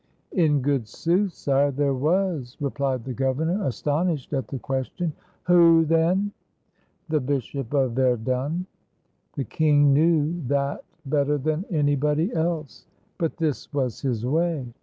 " In good sooth, sire, there was," replied the governor, astonished at the question. "Who, then?" " The Bishop of Verdun." The king knew that better than anybody else, but this was his way.